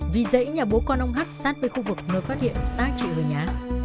vì dãy nhà bố con ông hát sát bây khu vực nơi phát hiện sát chị hờ nhã